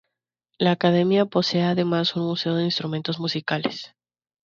La Academia posee además un museo de instrumentos musicales.